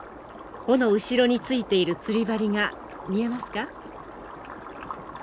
尾の後ろについている釣り針が見えますか？